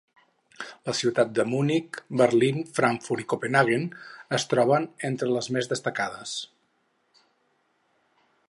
Les ciutats de Munic, Berlín, Frankfurt i Copenhaguen es troben entre les més destacades.